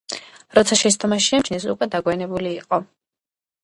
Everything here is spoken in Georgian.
როცა შეცდომა შეამჩნიეს, უკვე დაგვიანებული იყო.